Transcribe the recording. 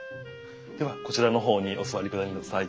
ではこちらの方にお座りください。